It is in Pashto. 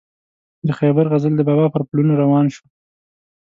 د خیبر غزل د بابا پر پلونو روان شو.